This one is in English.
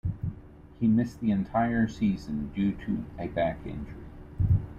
He missed the entire season due to a back injury.